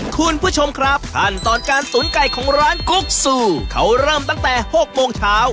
คุณผู้ชมครับขั้นตอนการตุ๋นไก่ของร้านกุ๊กซูเขาเริ่มตั้งแต่๖โมงเช้า